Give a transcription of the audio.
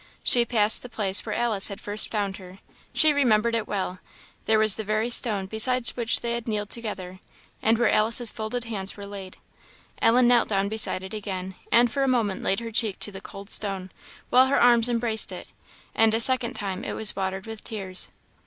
She passed the place where Alice had first found her she remembered it well; there was the very stone beside which they had kneeled together, and where Alice's folded hands were laid. Ellen knelt down beside it again, and for a moment laid her cheek to the cold stone, while her arms embraced it, and a second time it was watered with tears.